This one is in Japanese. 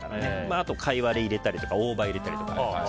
あと、カイワレを入れたり大葉を入れたり。